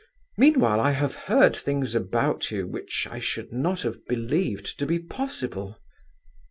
Meanwhile I have heard things about you which I should not have believed to be possible."